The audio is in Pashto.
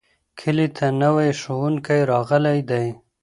کلي ته نوی ښوونکی راغلی دی.